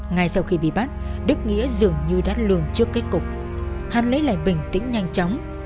ngay sau khi bị bắt đức nghĩa dường như đắt lường trước kết cục hắn lấy lại bình tĩnh nhanh chóng